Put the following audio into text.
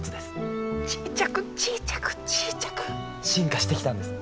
ちいちゃくちいちゃくちいちゃく進化してきたんです。